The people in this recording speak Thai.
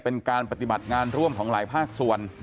เป็นการปฏิบัติงานร่วมของหลายภาคส่วน